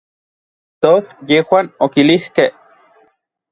Tos yejuan okilijkej.